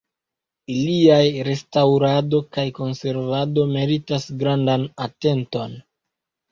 Iliaj restaŭrado kaj konservado meritas grandan atenton.